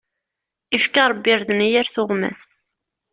Ifka Ṛebbi irden i yir tuɣmas.